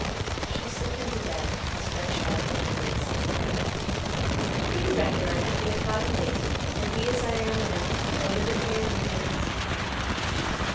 She slipped into bed and stretched out luxuriously. "Do you reckon I could be a fine lady, and be as I am now, a livin' here in the hills?"